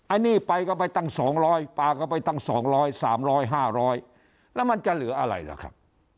อันนี้ไปก็ไปตั้ง๒๐๐ปลาก็ไปตั้ง๒๐๐๓๐๐๕๐๐แล้วมันจะเหลืออะไรล่ะครับ